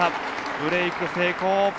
ブレーク成功。